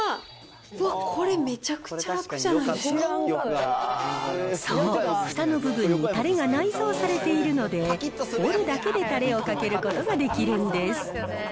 うわっ、これむちゃくちゃ楽じゃそう、ふたの部分にたれが内蔵されているので、折るだけでたれをかけることができるんです。